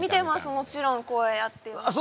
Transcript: もちろんこうやってやって。